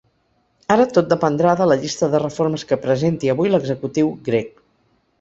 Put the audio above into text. Ara tot dependrà de la llista de reformes que presenti avui l’executiu grec.